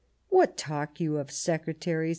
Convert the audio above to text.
" What talk you of secretaries ?